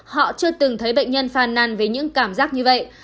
họ chưa từng thấy bệnh nhân phàn nàn với những cảm giác như vậy